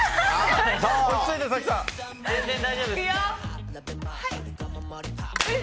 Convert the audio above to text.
全然大丈夫です。